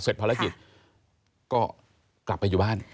ภารกิจก็กลับไปอยู่บ้าน